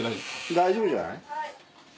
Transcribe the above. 大丈夫じゃない。